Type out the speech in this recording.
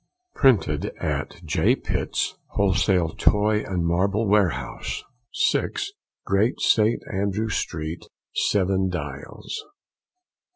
Printed at J. Pitts, Wholesale Toy and Marble Warehouse, 6, Great St. Andrew Street, Seven Dials.